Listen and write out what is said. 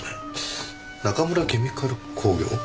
「中村ケミカル工業」？